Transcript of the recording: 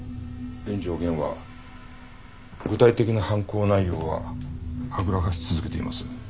連城源は具体的な犯行内容ははぐらかし続けています。